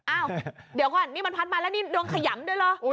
อ้าวเดี๋ยวก่อนนี่มันพัดมาแล้วนี่โดนขยำด้วยเหรอ